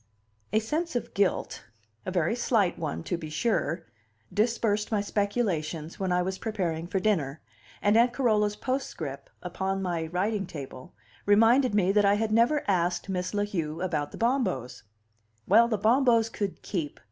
A sense of guilt a very slight one, to be sure dispersed my speculations when I was preparing for dinner, and Aunt Carola's postscript, open upon my writing table, reminded me that I had never asked Miss La Heu about the Bombos. Well, the Bombos could keep!